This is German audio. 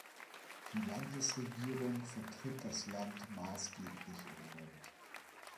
Die Landesregierung vertritt das Land maßgeblich im Bund.